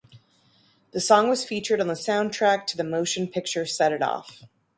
The song was featured on the soundtrack to the motion picture "Set It Off".